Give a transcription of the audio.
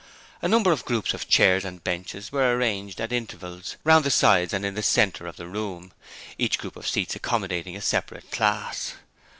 A number of groups of chairs and benches were arranged at intervals round the sides and in the centre of the room, each group of seats accommodating a separate class.